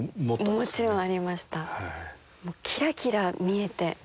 もちろんありました。